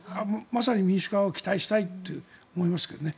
まさに民主化を期待したいと思いますね。